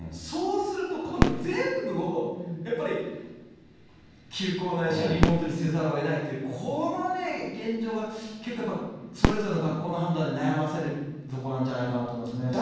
そうすると、今度、全部をやっぱり、休校ないしはリモートにせざるをえないという、このね、現状が結構やっぱ、それぞれの学校の判断で悩まされるところなんじゃないかなと思いますね。